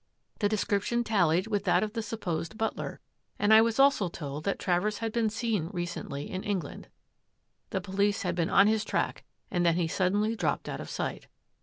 The description tallied with that of the supposed but ler, and I was also told that Travers had been seen recently in England. The police had been on his track and then he suddenly dropped out of sight.